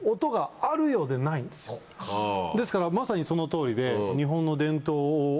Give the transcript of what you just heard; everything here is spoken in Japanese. ですからまさにその通りで。